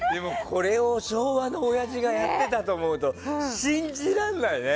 これを昭和のおやじがやってたと思うと信じられないね。